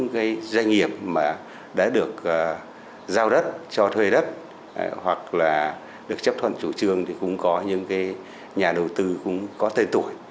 những cái doanh nghiệp mà đã được giao đất cho thuê đất hoặc là được chấp thuận chủ trương thì cũng có những cái nhà đầu tư cũng có tên tuổi